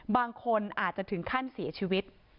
บางคนอาจจะถึงขั้นเสียชีวิต